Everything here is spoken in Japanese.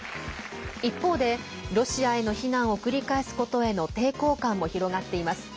一方で、ロシアへの非難を繰り返すことへの抵抗感も広がっています。